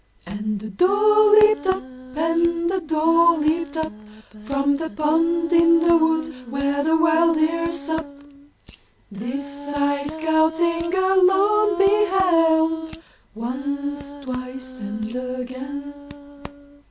And a doe leaped up, and a doe leaped up From the pond in the wood where the wild deer sup. This I, scouting alone, beheld, Once, twice and again!